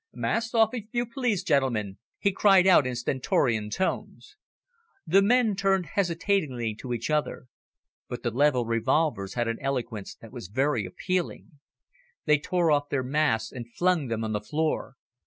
"Masks off, if you please, gentlemen," he cried out in stentorian tones. The men turned hesitatingly to each other. But the levelled revolvers had an eloquence that was very appealing. They tore off their masks and flung them on the floor.